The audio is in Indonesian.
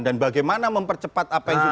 dan bagaimana mempercepat apa yang